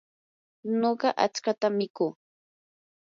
nuqa achkatam mikuu.